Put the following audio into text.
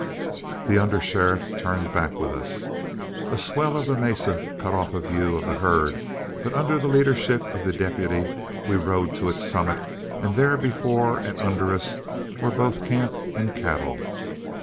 The under sheriff turned back with us. A swell of the mesa cut off a view of the herd, but under the leadership of the deputy we rode to its summit, and there before and under us were both camp and cattle.